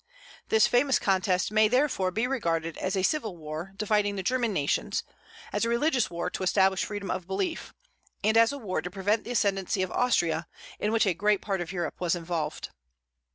This famous contest may therefore be regarded as a civil war, dividing the German nations; as a religious war, to establish freedom of belief; and as a war to prevent the ascendency of Austria, in which a great part of Europe was involved.